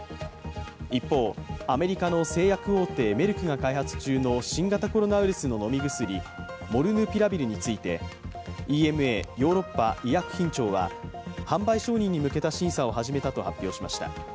一方、アメリカの製薬大手メルクが開発中の新型コロナウイルスの飲み薬モルヌピラビルについてＥＭＡ＝ヨーロッパ医薬品庁は販売承認に向けた審査を始めたと発表しました。